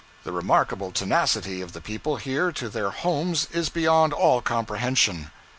The remarkable tenacity of the people here to their homes is beyond all comprehension.